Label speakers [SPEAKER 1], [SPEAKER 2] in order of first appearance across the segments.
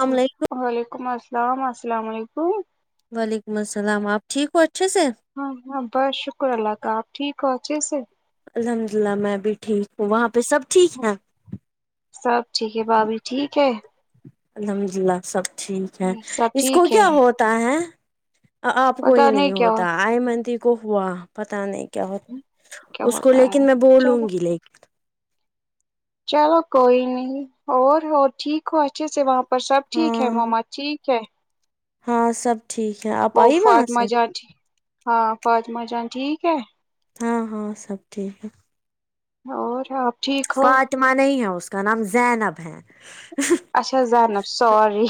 [SPEAKER 1] السلام علیکم
[SPEAKER 2] وعلیکم السلام السلام علیکم
[SPEAKER 1] وعلیکم السلام آپ ٹھیک ہو اچھے سے
[SPEAKER 2] ہاں ہاں بس شکر اللہ کا آپ ٹھیک ہو اچھے سے
[SPEAKER 1] الحمد للہ میں بھی ٹھیک ہوں وہاں پہ سب ٹھیک ہے
[SPEAKER 2] سب ٹھیک ہے بھابھی ٹھیک ہے
[SPEAKER 1] الحمد للہ سب ٹھیک ہے
[SPEAKER 2] سب
[SPEAKER 1] اس کو
[SPEAKER 2] ٹھیک ہے
[SPEAKER 1] کیا ہوا تا ہے آپ کوئی
[SPEAKER 2] پتا
[SPEAKER 1] نہیں
[SPEAKER 2] کیا
[SPEAKER 1] ہوتا آئی منتی کو ہوا پتہ نہیں کیا ہوت
[SPEAKER 2] کیا
[SPEAKER 1] اس کو
[SPEAKER 2] ہوتا ہے
[SPEAKER 1] لیکن میں بولوں
[SPEAKER 2] چلو
[SPEAKER 1] گی لیک
[SPEAKER 2] چلو کوئی نہیں اور اور ٹھیک ہو اچھے سے وہاں پر سب ٹھیک ہے
[SPEAKER 1] ہاں
[SPEAKER 2] مما ٹھیک ہے
[SPEAKER 1] ہاں سب ٹھیک ہے آپ
[SPEAKER 2] وہ
[SPEAKER 1] آئی وہاں سے
[SPEAKER 2] فاطمہ جان ٹھیک؟ ہاں فاطما جان ٹھیک ہے
[SPEAKER 1] ہاں ہاں سب ٹھیک ہے
[SPEAKER 2] اور آپ ٹھیک ہو
[SPEAKER 1] اتما نہیں ہے اس کا نام زینب ہے
[SPEAKER 2] اچھا زینب سوری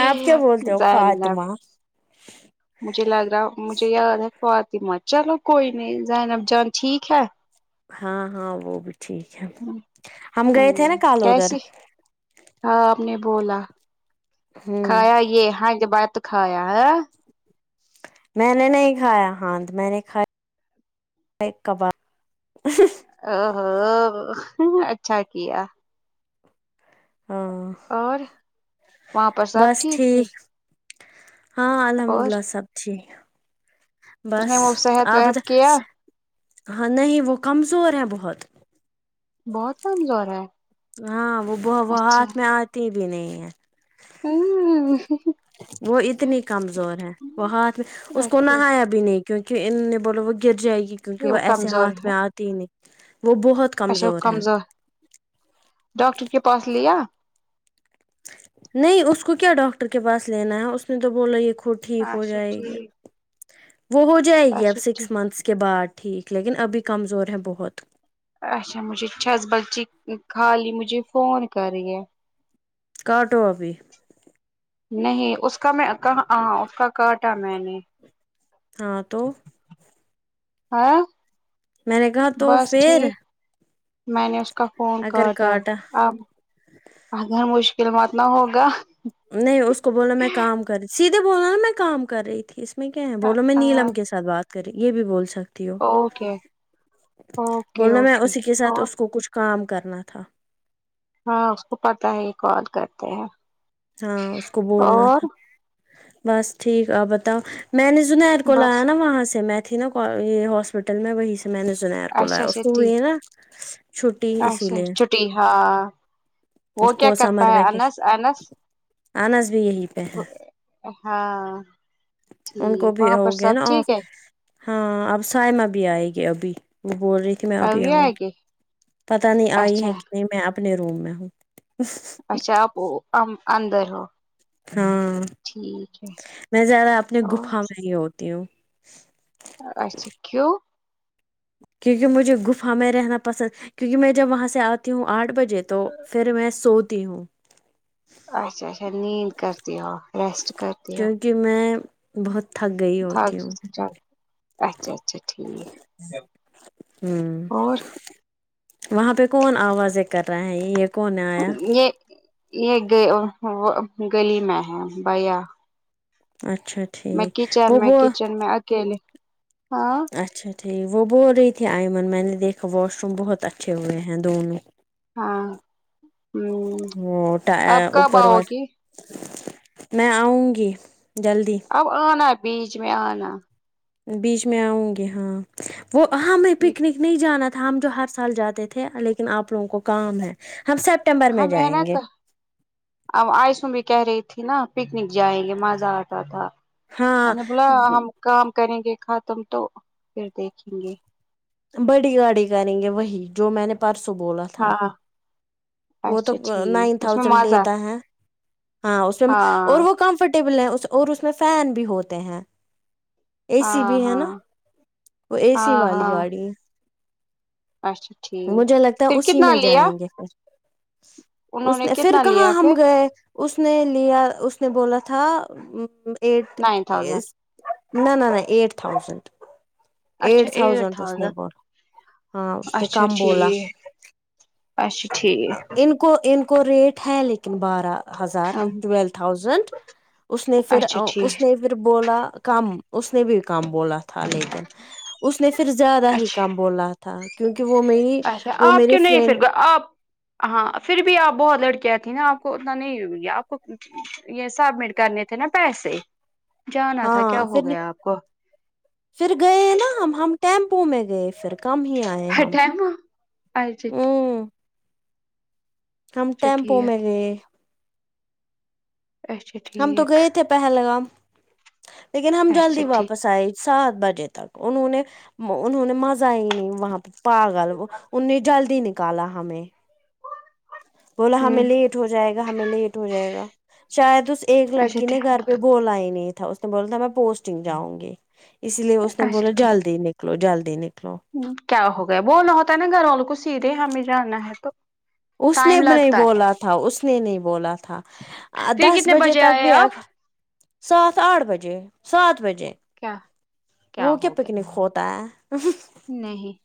[SPEAKER 1] آپ کیا بولتے ہو
[SPEAKER 2] زینب
[SPEAKER 1] فاطمہ
[SPEAKER 2] مجھے لگ رہا مجھے یاد ہے فاطمہ چلو کوئی نہیں زینب جان ٹھیک ہے
[SPEAKER 1] ہاں ہاں وہ بھی ٹھیک ہے ہم گئے
[SPEAKER 2] ہوں
[SPEAKER 1] تھے نا کال ا دھر
[SPEAKER 2] کیسی ہاں آپ نے بولا
[SPEAKER 1] ہوں
[SPEAKER 2] کھایا یہ ہاں کے بات تو کھایا ہے
[SPEAKER 1] میں نے نہیں کھایا ہاں ت میں نے کھایا کھاے کباب اھھ
[SPEAKER 2] او ہو اچھا کیا
[SPEAKER 1] ہاں
[SPEAKER 2] اور وہاں پر سب ٹھیک تھے
[SPEAKER 1] ہاں الحمد
[SPEAKER 2] اور
[SPEAKER 1] اللہ سب ٹھیک
[SPEAKER 2] اس
[SPEAKER 1] بس
[SPEAKER 2] نے وہ صحت
[SPEAKER 1] آپ بتا
[SPEAKER 2] وحت کیا
[SPEAKER 1] ہاں نہیں وہ کمزور ہیں بہت
[SPEAKER 2] بہت کمزور ہے
[SPEAKER 1] ہاں وہ ب وہ
[SPEAKER 2] اچھا
[SPEAKER 1] ہاتھ میں آتی بھی نہیں ہے
[SPEAKER 2] ہوں ہ ہ
[SPEAKER 1] وہ اتنی کمزور ہے وہ ہاتھ میں اس کو نہایا بھی نہیں کیونکہ ان نے بولو وہ گر جائے گی کیونکہ وہ ایسے
[SPEAKER 2] کمزور
[SPEAKER 1] ہاتھ
[SPEAKER 2] ہے
[SPEAKER 1] میں آتی ہی نہیں وہ بہت
[SPEAKER 2] اچھا کمزور ڈاکٹر کے پاس لیا
[SPEAKER 1] نہیں اس کو کیا ڈاکٹر کے پاس لینا ہے اس نے تو بولا یہ وہ ٹھیک ہو
[SPEAKER 2] اچھا
[SPEAKER 1] جائے گی
[SPEAKER 2] ٹھیک
[SPEAKER 1] وہ ہو جائے گی اب
[SPEAKER 2] اچھا ٹھیک
[SPEAKER 1] سکس منتھس کے بعد ٹھیک لیکن ابھی کمزور ہے بہت
[SPEAKER 2] اچھا مجھے چھس بلچی خالی مجھے فون کری ہے
[SPEAKER 1] کاٹو ابھی
[SPEAKER 2] نہیں اس کا میں کہاں ہاں اس کا کاٹا میں نے
[SPEAKER 1] ہاں تو
[SPEAKER 2] ہاں
[SPEAKER 1] میں نے کہا تو
[SPEAKER 2] بس
[SPEAKER 1] فر
[SPEAKER 2] ٹھیک میں نے اس کا فون کاٹا اب اگر مشکل مت نہ ہوگا
[SPEAKER 1] نہیں اس کو بولو میں کام کر رہی سیدھے بولو نا میں کام کر رہی تھی میں کیا ہے بولو میں نیلم کے ساتھ بات کری یہ بھی بول سک تی ہو
[SPEAKER 2] اوکے اوکے
[SPEAKER 1] بولنا میں
[SPEAKER 2] اوکے
[SPEAKER 1] اسی کے ساتھ
[SPEAKER 2] اور
[SPEAKER 1] اس کو کچھ کام کرنا تھا
[SPEAKER 2] ہاں اس کو پتہ ہے یہ کال کرتے ہیں
[SPEAKER 1] ہاں اس کو بولنا
[SPEAKER 2] اور
[SPEAKER 1] تھا بس ٹھیک آپ بتاؤ میں نے زنید کو لایا
[SPEAKER 2] بس
[SPEAKER 1] نا وہاں سے میں تھی نا یہ ہاسپٹل میں وہی سے میں نے سنا ہے کول
[SPEAKER 2] اچھا
[SPEAKER 1] ایا اس
[SPEAKER 2] اچھا
[SPEAKER 1] کو
[SPEAKER 2] ٹھیک
[SPEAKER 1] وہ نا چھٹی اسی
[SPEAKER 2] اچھا
[SPEAKER 1] لیے
[SPEAKER 2] چھٹی ہاں وہ
[SPEAKER 1] اس
[SPEAKER 2] کیا
[SPEAKER 1] کو
[SPEAKER 2] کرتا
[SPEAKER 1] سمر
[SPEAKER 2] ہے
[SPEAKER 1] ویکیشن
[SPEAKER 2] انس انس
[SPEAKER 1] انس بھی یہی پہ ہے
[SPEAKER 2] ہاں
[SPEAKER 1] ان کو
[SPEAKER 2] ٹھیک
[SPEAKER 1] بھی
[SPEAKER 2] وہاں
[SPEAKER 1] ہو
[SPEAKER 2] پر
[SPEAKER 1] گیا
[SPEAKER 2] سب
[SPEAKER 1] نا اف
[SPEAKER 2] ٹھیک ہے
[SPEAKER 1] ہاں اب سائمہ بھی آئے گی ابھی وہ بول رہی تھی میں ابھی آؤں
[SPEAKER 2] آئے گے
[SPEAKER 1] پتا نہیں آئی
[SPEAKER 2] اچھا
[SPEAKER 1] ہے کہ نہیں میں اپنے روم میں ہوں
[SPEAKER 2] اچھا آپ ان اندر ہو
[SPEAKER 1] ہاں
[SPEAKER 2] ٹھیک ہے
[SPEAKER 1] میں زیادہ اپنے
[SPEAKER 2] اور
[SPEAKER 1] گفا میں ہی ہوتی ہوں
[SPEAKER 2] اچھا کیوں
[SPEAKER 1] کیونکہ مجھے گفا میں رہنا پسند کیونکہ میں جب وہاں سے آتی ہوں آٹھ بج جے تو پھر میں سوتی ہوں
[SPEAKER 2] اچھا اچھا نیند کرتے ہو ریسٹ کرتے ہو
[SPEAKER 1] کہ میں بہت تھک گئی ہوتی
[SPEAKER 2] تھک
[SPEAKER 1] ہوں
[SPEAKER 2] چل اچھا اچھا ٹھیک
[SPEAKER 1] ہوں
[SPEAKER 2] اور
[SPEAKER 1] وہاں پہ کون آوازیں کر رہا ہیں یہ کون آیا
[SPEAKER 2] یہ یہ گلی میں ہے بھیا
[SPEAKER 1] اچھا
[SPEAKER 2] میں
[SPEAKER 1] ٹھیک
[SPEAKER 2] کچن
[SPEAKER 1] وہ
[SPEAKER 2] میں
[SPEAKER 1] وہ
[SPEAKER 2] کچن میں اکیلے ہاں
[SPEAKER 1] اچھا ٹھیک وہ بول رہی تھی آئمن میں نے دیکھا واش روم بہت اچھے ہوئے ہیں دونوں
[SPEAKER 2] ہاں ہ
[SPEAKER 1] وہ
[SPEAKER 2] اب کب
[SPEAKER 1] اوپر
[SPEAKER 2] آؤ
[SPEAKER 1] وار
[SPEAKER 2] گی
[SPEAKER 1] میں آؤں گی جلدی
[SPEAKER 2] اب آنا بیج میں آنا
[SPEAKER 1] بیچ میں آؤں گی ہاں وہ ہاں میں پکنک نہیں جانا تھا ہم جو ہر سال جاتے تھے لیکن آپ لوگوں کو کام ہے ہم سب
[SPEAKER 2] ہاں میں نہ کا اب آئسو بھی کہہ رہی تھی نا پکنک جائیں گے مزہ آتا تھا میں
[SPEAKER 1] ہاں
[SPEAKER 2] نے بولا ہم کام کریں گے ختم تو پھر دیکھیں گے
[SPEAKER 1] بڑی گاڑی کریں گے وہی جو میں نے پرسوں بولا تھا
[SPEAKER 2] ہاں
[SPEAKER 1] وہ تو
[SPEAKER 2] اچھا
[SPEAKER 1] نائن
[SPEAKER 2] ٹھیک اس میں
[SPEAKER 1] تھازینڈ
[SPEAKER 2] مزہ
[SPEAKER 1] لیتا ہے ہاں اس میں اور
[SPEAKER 2] ہاں
[SPEAKER 1] وہ کمفرٹیبل ہے اور اس میں فین بھی ہوتے ہیں اے سی بھی
[SPEAKER 2] ہاں
[SPEAKER 1] ہے
[SPEAKER 2] ہاں
[SPEAKER 1] نا وہ اے سی
[SPEAKER 2] ہاں
[SPEAKER 1] والی
[SPEAKER 2] ہاں
[SPEAKER 1] گاڑی
[SPEAKER 2] اچھا ٹھیک
[SPEAKER 1] مجھے لگتا ہے
[SPEAKER 2] پھر
[SPEAKER 1] اسی
[SPEAKER 2] کتنا
[SPEAKER 1] میں
[SPEAKER 2] لیا
[SPEAKER 1] جائیں گے پھر
[SPEAKER 2] انہوں
[SPEAKER 1] اس نے پھر
[SPEAKER 2] کتنا
[SPEAKER 1] کہاں
[SPEAKER 2] لیا
[SPEAKER 1] ہم
[SPEAKER 2] پھر
[SPEAKER 1] گئے اس نے لیا اس نے بولا تھا ایٹ
[SPEAKER 2] نائن تھاؤزینڈ
[SPEAKER 1] اس نہ نہ نہ ایٹ تھاؤزنڈ
[SPEAKER 2] اچھا
[SPEAKER 1] ایٹ تھاؤزنڈ اس نی
[SPEAKER 2] تھاؤزینڈ
[SPEAKER 1] بولی ہاں نے
[SPEAKER 2] اچھا
[SPEAKER 1] کم بولا
[SPEAKER 2] ٹھیک اچھا ٹھیک
[SPEAKER 1] ان کو ان کو ریٹ ہے لیکن بارہ ہزار ٹویل تھاؤزینڈ اس نے پھر
[SPEAKER 2] اچھا
[SPEAKER 1] آو اس
[SPEAKER 2] ٹھیک
[SPEAKER 1] نے پھر بولا کم اس نے بھی کم بولا تھا لیکن اس نے پھر زیادہ ہی
[SPEAKER 2] اچھا
[SPEAKER 1] کم بولا تھا کیونکہ وہ میری
[SPEAKER 2] اچھا
[SPEAKER 1] وہ
[SPEAKER 2] آپ
[SPEAKER 1] میری
[SPEAKER 2] کیوں نہیں پھر
[SPEAKER 1] فرینڈ
[SPEAKER 2] آپ ہاں پھر بھی آپ بہت لڑکیاں تھیں نا آپ کو اتنا نہیں یاد آپ کو یہ سبمٹ کرنے تھے نا پیسے جانا تھا کیا
[SPEAKER 1] ہاں
[SPEAKER 2] ہو
[SPEAKER 1] پھر
[SPEAKER 2] گیا آپ
[SPEAKER 1] پھر گئے نا ہم ہم ٹیمپو میں گئے پھر کم ہی آئے
[SPEAKER 2] ہاے
[SPEAKER 1] ہم
[SPEAKER 2] ٹائم آںی چیکڈ
[SPEAKER 1] ہ ہم ٹیمپو
[SPEAKER 2] ٹھیک
[SPEAKER 1] میں گئے
[SPEAKER 2] اچھا
[SPEAKER 1] ہم تو
[SPEAKER 2] ٹھیک
[SPEAKER 1] گئے تھے پہلگام لیکن ہم
[SPEAKER 2] اچھا
[SPEAKER 1] جلدی
[SPEAKER 2] ٹھیک
[SPEAKER 1] واپس آئے سات بجے تک انہوں نے انہوں نے مزہ ہی نہیں وہاں پاگل وہ اننی جلدی نکالا ہمیں بولا ہمیں
[SPEAKER 2] ہوں
[SPEAKER 1] لیٹ ہو جائے گا ہمیں لیٹ ہو جائے گا شاید اس ایک
[SPEAKER 2] اچھا
[SPEAKER 1] لڑکی نے
[SPEAKER 2] ٹھیک
[SPEAKER 1] گھر بولا ہی نہیں تھا اس نے بولا تھا میں پوسٹنگ جاؤں گی اس لیے اس نے بولا
[SPEAKER 2] اچھا ٹھیک
[SPEAKER 1] جلدی نک نکلو جلدی نکلو
[SPEAKER 2] کیا ہو گیا بولنا ہوتا ہے نا گھر والوں کو سیدھے ہمیں جانا ہے تو
[SPEAKER 1] اس نے
[SPEAKER 2] ٹائم
[SPEAKER 1] نہیں
[SPEAKER 2] لگتا ہے
[SPEAKER 1] بولا تھا اس نے نہیں بولا تھا آ
[SPEAKER 2] پھر
[SPEAKER 1] دس
[SPEAKER 2] کتنے
[SPEAKER 1] بجے تک
[SPEAKER 2] آئے
[SPEAKER 1] بھی
[SPEAKER 2] آپ
[SPEAKER 1] اب سات آٹھ بجے سات بجے
[SPEAKER 2] کیا
[SPEAKER 1] وہ کیا
[SPEAKER 2] ہو گیا
[SPEAKER 1] پکنک ہوتا
[SPEAKER 2] نہیں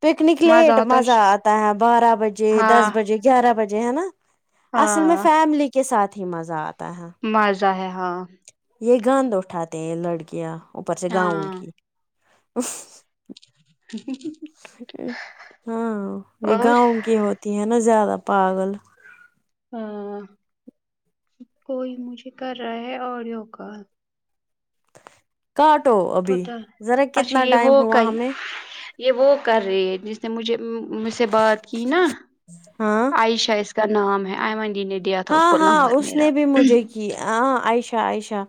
[SPEAKER 1] پکنک لیٹ
[SPEAKER 2] ہوتا
[SPEAKER 1] مزہ
[SPEAKER 2] ہے،
[SPEAKER 1] آتا ہے بارہ بجے دس
[SPEAKER 2] ہاں
[SPEAKER 1] بجے گیارہ بجے ہے نا اصل میں
[SPEAKER 2] ہاں
[SPEAKER 1] فیملی کے ساتھ ہی مزہ آتا ہے
[SPEAKER 2] مزہ ہے ہاں
[SPEAKER 1] یہ گاندھ اٹھاتے ہیں لڑکیاں اوپر سے گاؤں
[SPEAKER 2] ہاں
[SPEAKER 1] کی ہاں یہ
[SPEAKER 2] اور
[SPEAKER 1] گاؤں کی ہوت تی ہے نا زیادہ پاگل
[SPEAKER 2] ہاں کوئی مجھے کر رہا ہے آڈیو کال
[SPEAKER 1] کاٹو آ
[SPEAKER 2] پتہ ہے اچھا یہ وہ کائی یہ وہ کر رہی ہے جس نے مجھے مجھ سے بات کی نا
[SPEAKER 1] ہاں
[SPEAKER 2] عائشہ کا نام ہے آئمن ڈینیٹ
[SPEAKER 1] ہاں ہاں اس نے بھی مجھے کی آ عائشہ عائشہ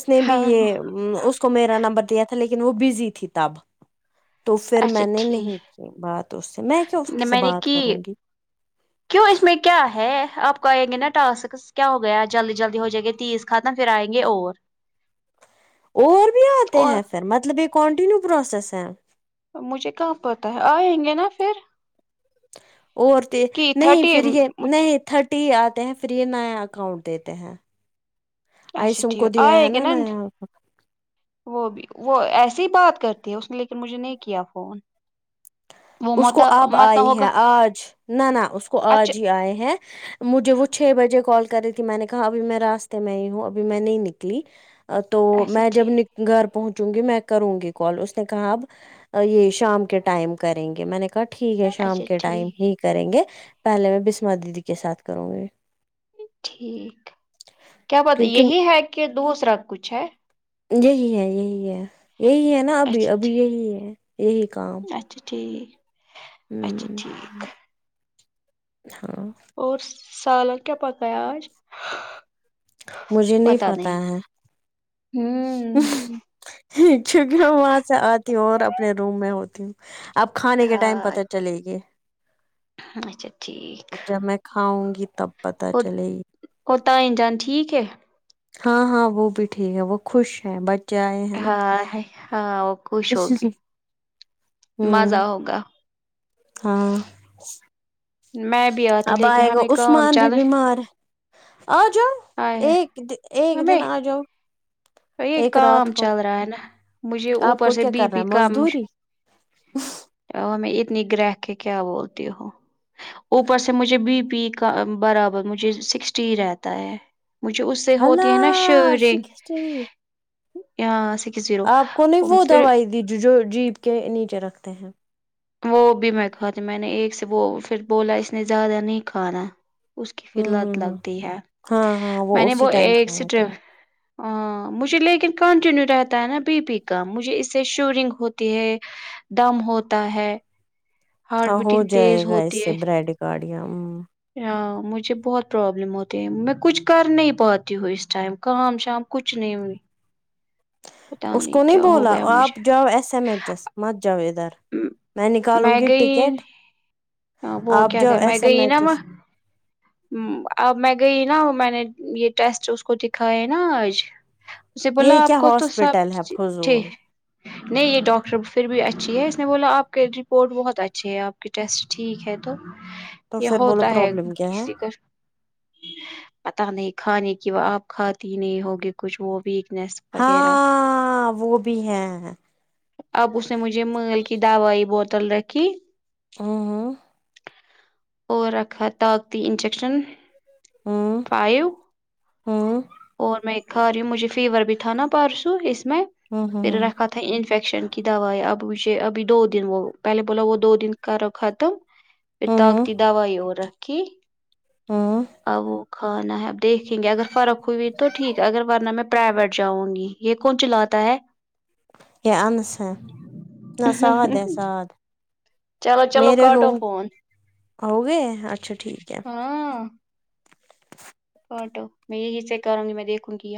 [SPEAKER 1] اس نے بھی
[SPEAKER 2] ہاں
[SPEAKER 1] یہ امم اس کو میرا نمبر دیا تھا لیکن وہ بزی تھی تب تو پھر
[SPEAKER 2] اچھا
[SPEAKER 1] میں نے نہیں
[SPEAKER 2] ٹھیک
[SPEAKER 1] کی بات اس سے میں کیا اس
[SPEAKER 2] نے
[SPEAKER 1] کے سے
[SPEAKER 2] میں نے
[SPEAKER 1] بات
[SPEAKER 2] کی
[SPEAKER 1] کروں گی
[SPEAKER 2] کیوں اس میں کیا ہے آپ کو آئیں گی نا ٹاسک کیا ہو گیا جلدی جلدی ہو جائے گے تیس ختم پھر آئیں گے اور
[SPEAKER 1] اور بھی آتے ہیں
[SPEAKER 2] اور
[SPEAKER 1] پھر مطلب یہ کانٹینیو پروسیس ہے
[SPEAKER 2] مجھے کہاں پتہ ہے آئیں گے نا پھر
[SPEAKER 1] عورتیں
[SPEAKER 2] کہ
[SPEAKER 1] نہیں
[SPEAKER 2] تھرٹی
[SPEAKER 1] پھر یہ نہیں تھرٹی ٹی آتے ہیں فری نیا اکاؤنٹ دیتے ہیں
[SPEAKER 2] اچھا
[SPEAKER 1] آئسم کو
[SPEAKER 2] ٹھیک
[SPEAKER 1] دیا ہے
[SPEAKER 2] آئے گے
[SPEAKER 1] نا نیا اکاؤنٹ
[SPEAKER 2] وہ بھی وہ ایسی ہی بات کرتی ہے اس نے لیکن مجھے نہیں کیا فون وہ
[SPEAKER 1] اس
[SPEAKER 2] مت
[SPEAKER 1] کو اب
[SPEAKER 2] مت نہ
[SPEAKER 1] آئے
[SPEAKER 2] ہوگا
[SPEAKER 1] ہیں آج نہ نہ اس کو
[SPEAKER 2] اچھا
[SPEAKER 1] آج ہی آئے ہیں مجھے وہ چھ بجے کال کر رہی تھی میں نے کہا ابھی میں راستے میں ہی ہوں ابھی میں نہیں نکلی ا تو
[SPEAKER 2] اچھا
[SPEAKER 1] میں جب
[SPEAKER 2] ٹھیک
[SPEAKER 1] نک گھر پہنچوں گی میں کروں گی کال اس نے کہا اب یہ شام کے ٹائم کر لیں گے میں نے کہا ٹھیک ہے شام
[SPEAKER 2] اچھا
[SPEAKER 1] کے ٹائم ہی
[SPEAKER 2] ٹھیک
[SPEAKER 1] کریں گے پہلے میں بسمہ دیدی کے ساتھ کروں گی
[SPEAKER 2] ٹھیک کیا بات
[SPEAKER 1] کیونکہ
[SPEAKER 2] یہی ہے کہ دوسرا کچھ ہے
[SPEAKER 1] یہی ہے یہی ہے یہی ہے نا ابھی
[SPEAKER 2] اچھا
[SPEAKER 1] ابھی
[SPEAKER 2] ٹھیک
[SPEAKER 1] یہی ہے یہی کام
[SPEAKER 2] اچھا ٹھیک
[SPEAKER 1] ہ
[SPEAKER 2] اچھا ٹھیک
[SPEAKER 1] ہاں
[SPEAKER 2] اور سالن کیا پکا یا آج
[SPEAKER 1] مجھے نہیں پتا ہے
[SPEAKER 2] ہوں
[SPEAKER 1] کیونکہ میں وہاں سے آتی ہوں اور اپنے روم میں ہوتی ہوں اب کھانے کے ٹائم
[SPEAKER 2] ہاں
[SPEAKER 1] پتہ چلے گی
[SPEAKER 2] اچھا ٹھیک
[SPEAKER 1] جب میں کھاؤں گی تب پتہ
[SPEAKER 2] اور
[SPEAKER 1] چلے گی
[SPEAKER 2] اور تائی جان ٹھیک ہے
[SPEAKER 1] ہاں ہاں وہ بھی ٹھیک ہے وہ خوش ہیں بٹ
[SPEAKER 2] ہاں ہے ہاں وہ خوش ہوگی مزہ
[SPEAKER 1] ہوں
[SPEAKER 2] ہوگا
[SPEAKER 1] ہاں
[SPEAKER 2] میں بھی آتی
[SPEAKER 1] اب
[SPEAKER 2] لیکن
[SPEAKER 1] آئے گا
[SPEAKER 2] ہمیں کام
[SPEAKER 1] عثمان بھی
[SPEAKER 2] چل
[SPEAKER 1] بیمار ہے آجاؤ
[SPEAKER 2] آئے
[SPEAKER 1] ایک دن ایک دن
[SPEAKER 2] ہمیں
[SPEAKER 1] آجاؤ
[SPEAKER 2] یہ کام چل رہا ہے نا مجھے
[SPEAKER 1] آپ
[SPEAKER 2] اوپر
[SPEAKER 1] کو
[SPEAKER 2] سے
[SPEAKER 1] کیا
[SPEAKER 2] بی
[SPEAKER 1] کرنا
[SPEAKER 2] پی
[SPEAKER 1] ہے
[SPEAKER 2] کامجھ
[SPEAKER 1] مزدوری
[SPEAKER 2] ا میں اتنی گرہک ہے کیا بولتی ہوں اوپر سے مجھے بی پی کا برابر مجھے سکسٹی ہی رہتا ہے مجھے اس سے ہوتی ہے نا شیوریں
[SPEAKER 1] چین
[SPEAKER 2] ہاں سی
[SPEAKER 1] آپ کو نے وہ دوائی دی جو جو جیپ کے نیچے رکھتے ہیں
[SPEAKER 2] وہ بھی میں کھاتی میں نے ایک سے وہ پھر بولا اس نے زیادہ نہیں کھانا ہے اس کی پھر
[SPEAKER 1] ہوں
[SPEAKER 2] لت
[SPEAKER 1] ہوں ہوں
[SPEAKER 2] لگی ہے
[SPEAKER 1] ہاں ہاں
[SPEAKER 2] میں نے
[SPEAKER 1] اسی
[SPEAKER 2] وہ
[SPEAKER 1] ٹائم
[SPEAKER 2] ایک
[SPEAKER 1] کھانا ہوتا تھا
[SPEAKER 2] سٹو ہاں مجھے لیکن کنٹینیو رہتا ہے نا بی پی کا مجھے اس سے شورنگ ہوتی ہے دم ہوتا ہے ہارٹ
[SPEAKER 1] ہاں ہو
[SPEAKER 2] بیٹنگ تیز
[SPEAKER 1] جائے گا اس سے بریڈ گاڑیاں ہ
[SPEAKER 2] ہ مجھے بہت پرابلم ہوتی ہے میں کچھ کر نہیں پاتی ہوں اس ٹائم کام شام کچھ نہیں ہوئی
[SPEAKER 1] اس کو نہیں
[SPEAKER 2] ہو
[SPEAKER 1] بولا
[SPEAKER 2] گیا
[SPEAKER 1] آپ
[SPEAKER 2] مجھے
[SPEAKER 1] جاؤ ایس ایم ایچ ایس مت جاؤ ادھر میں نکالوں گی ٹکٹ
[SPEAKER 2] وہ
[SPEAKER 1] آپ
[SPEAKER 2] کیا
[SPEAKER 1] جاؤ
[SPEAKER 2] کہ میں
[SPEAKER 1] ایس ایم
[SPEAKER 2] گئی
[SPEAKER 1] ای
[SPEAKER 2] نا
[SPEAKER 1] ایس
[SPEAKER 2] اب میں گئی نا میں نے یہ ٹیسٹ اس کو دکھائے نا آج اسے
[SPEAKER 1] یہ
[SPEAKER 2] بولا آپ
[SPEAKER 1] کیا
[SPEAKER 2] کو تو سب
[SPEAKER 1] ہاسپٹل ہے
[SPEAKER 2] ٹھیک
[SPEAKER 1] فضول
[SPEAKER 2] نہیں یہ ڈاکٹر پھر بھی اچھی ہے اس نے بولا آپ کے رپورٹ بہت اچھی ہے آپ کے ٹیسٹ ٹھیک ہے تو
[SPEAKER 1] تو پھر بولو پرابلم کیا ہے
[SPEAKER 2] پہر پتا نہیں کھانے کی وہ آپ کھاتی نہیں ہوگی کچھ وہ ویکنیس وغیرہ
[SPEAKER 1] ہاں وہ بھی ہے
[SPEAKER 2] اب اس نے مجھے منگل کی دوائی بوتل رکھی
[SPEAKER 1] ہوں
[SPEAKER 2] اور رکھا طاقتی انجیکشن
[SPEAKER 1] ہوں
[SPEAKER 2] فائیو
[SPEAKER 1] ہوں
[SPEAKER 2] اور میں کھا رہی ہوں مجھے فیور بھی تھا نا پرسو اس میں پھر
[SPEAKER 1] ہوں
[SPEAKER 2] رکھا تھا انفیکشن کی دوائ اب مجھے ابھی دو دن وہ پہلے بولا وہ دو دن کا رکھاتا ہو پھر
[SPEAKER 1] ہوں
[SPEAKER 2] طاقتی دوائی ہو رکھی
[SPEAKER 1] ہوں
[SPEAKER 2] ا وہ کھانا ہے اب دیکھیں گے اگر فرق ہوئی تو ٹھیک ہے اگر ورنہ میں پرائیویٹ جاؤں گی یہ کون چلاتا ہے
[SPEAKER 1] یہ انس ہیں نہ ساد ہے ساد
[SPEAKER 2] چلو چلو
[SPEAKER 1] میرے روم
[SPEAKER 2] کاٹو فون
[SPEAKER 1] آؤگے اچھا ٹھیک ہے
[SPEAKER 2] فٹو میں یہی سے کروں گی میں دیکھوں گی یا